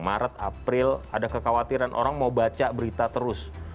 maret april ada kekhawatiran orang mau baca berita terus